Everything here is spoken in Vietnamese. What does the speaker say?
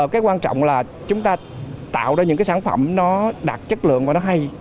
cái quan trọng là chúng ta tạo ra những cái sản phẩm nó đạt chất lượng và nó hay